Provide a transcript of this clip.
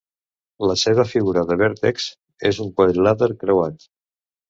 La seva figura de vèrtexs és un quadrilàter creuat.